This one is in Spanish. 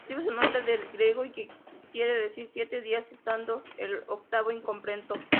Recibe su nombre del griego y quiere decir siete días, estando el octavo incompleto.